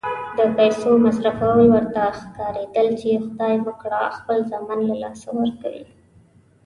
د پیسو مصرفول ورته ښکارېدل چې خدای مه کړه خپل زامن له لاسه ورکوي.